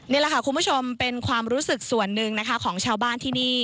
นี่แหละค่ะคุณผู้ชมเป็นความรู้สึกส่วนหนึ่งนะคะของชาวบ้านที่นี่